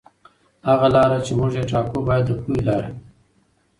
هغه لاره چې موږ یې ټاکو باید د پوهې لاره وي.